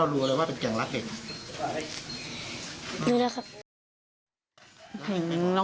อยู่แล้วครับ